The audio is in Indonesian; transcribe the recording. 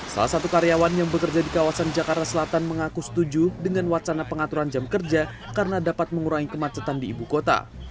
salah satu karyawan yang bekerja di kawasan jakarta selatan mengaku setuju dengan wacana pengaturan jam kerja karena dapat mengurangi kemacetan di ibu kota